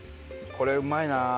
これうまいな。